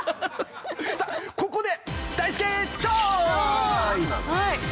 さぁここで。